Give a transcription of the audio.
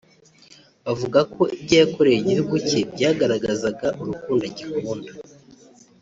bavuga ko ibyo yakoreye igihugu cye byagaragazaga urukundo agikunda